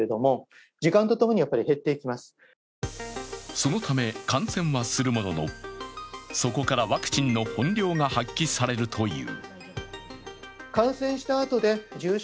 そのため感染はするもののそこからワクチンの本領が発揮されるという。